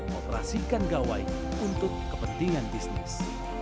mengoperasikan gawai untuk kepentingan bisnis